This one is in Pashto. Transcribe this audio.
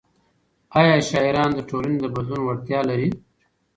ايا شاعران د ټولنې د بدلون وړتیا لري؟